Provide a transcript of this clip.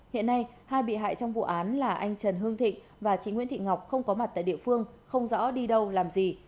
hiện nay hai bị hại trong vụ án là anh trần hương thịnh và chị nguyễn thị ngọc không có mặt tại địa phương không rõ đi đâu làm gì